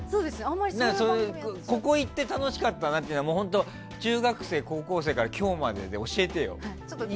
ここ行って楽しかったなみたいなとかは中学生、高校生から今日までで教えてよ。